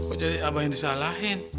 oh jadi apa yang disalahin